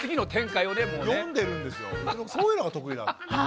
そういうのが得意なんです。